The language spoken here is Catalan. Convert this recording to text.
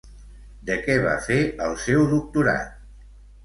De què va fer el seu doctorat?